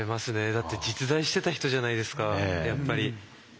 だって実在してた人じゃないですかやっぱり。